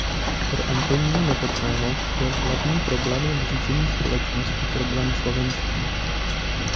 Pro Antonína Novotného byl hlavním problémem v řízení společnosti problém slovenský.